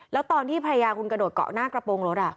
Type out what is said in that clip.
แล้วตอนที่ภรรยาคุณกระโดดเกาะหน้ากระโปรงรถ